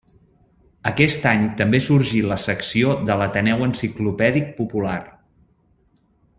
Aquest any també sorgí la secció de l'Ateneu Enciclopèdic Popular.